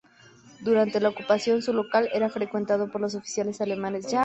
Durante la Ocupación, su local era frecuentado por los oficiales alemanes.